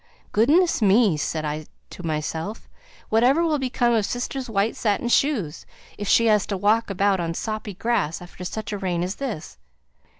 'Goodness me!' said I to myself, 'whatever will become of sister's white satin shoes, if she has to walk about on soppy grass after such rain as this?'